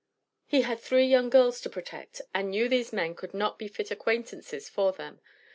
He had three young girls to protect and knew these men could not be fit acquaintances for them.